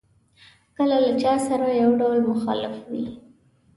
کله له چا سره یو ډول مخالف وي.